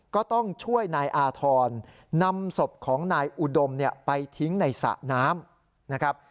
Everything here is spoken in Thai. ก็ต้องช่วยนายอาธรณ์นำศพของนายอุดมเนี่ยไปทิ้งในสระน้ำนะครับ